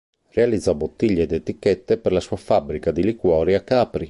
Realizzò bottiglie ed etichette per la sua fabbrica di liquori a Capri.